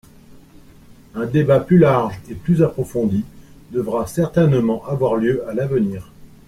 Un débat plus large et plus approfondi devra certainement avoir lieu à l’avenir.